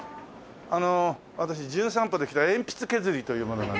あの私『じゅん散歩』で来た鉛筆削りという者なんですけども。